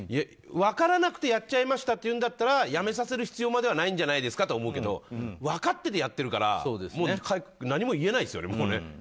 分からなくてやっちゃいましたっていうんだったら辞めさせる必要はないんじゃないですかと思いますが分かっててやってるから何も言えないですね。